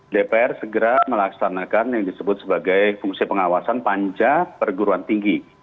dpr segera melaksanakan yang disebut sebagai fungsi pengawasan panja perguruan tinggi